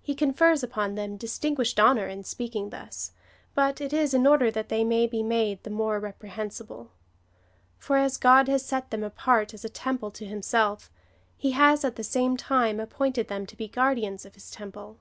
He confers upon them distinguished honour in speaking thus, but it is in order that they may be made the more repre hensible ; for, as God has set them apart as a temple to himself, he has at the same time appointed them to be guardians of his temple.